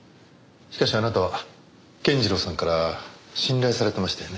しかしあなたは健次郎さんから信頼されてましたよね？